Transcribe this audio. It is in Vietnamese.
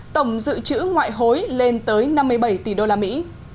tổng dự trữ ngoại hối lên tới năm mươi bảy tỷ đô la mỹ